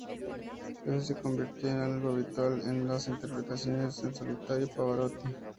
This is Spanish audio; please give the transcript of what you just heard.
Eso se convirtió en algo habitual en las interpretaciones en solitario de Pavarotti.